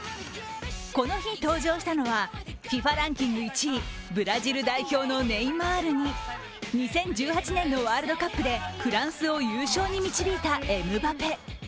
この日登場したのは、ＦＩＦＡランキング１位、ブラジル代表のネイマールに２０１８年のワールドカップでフランスを優勝に導いたエムバペ。